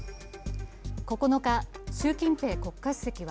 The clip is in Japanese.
９日、習近平国家主席は